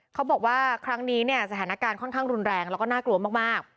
เขาบอกว่าครั้งนี้เนี่ยสถานการณ์ค่อนข้างรุนแรงแล้วก็น่ากลัวมาก